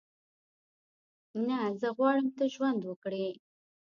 نه، زه غواړم ته ژوند وکړې.